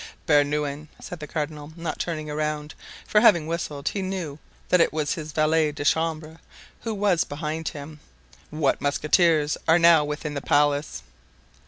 "Bernouin," said the cardinal, not turning round, for having whistled, he knew that it was his valet de chambre who was behind him; "what musketeers are now within the palace?"